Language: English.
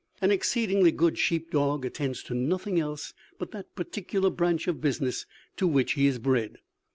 An exceedingly good sheep dog attends to nothing else but that particular branch of business to which he is bred.